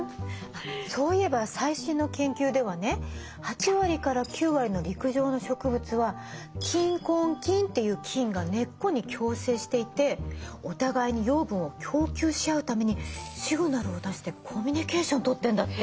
そういえば最新の研究ではね８割から９割の陸上の植物は菌根菌っていう菌が根っこに共生していてお互いに養分を供給し合うためにシグナルを出してコミュニケーションをとってんだって！